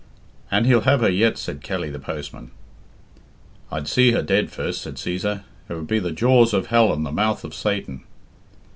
"And he'll have her yet," said Kelly, the postman. "I'd see her dead first," said Cæsar. "It would be the jaws of hell and the mouth of Satan."